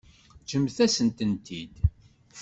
Ǧǧemt-asen-tent-id.